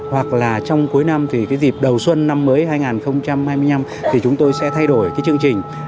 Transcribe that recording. hoặc là trong cuối năm thì cái dịp đầu xuân năm mới hai nghìn hai mươi năm thì chúng tôi sẽ thay đổi cái chương trình